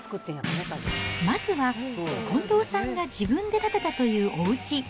まずは、近藤さんが自分で建てたというおうち。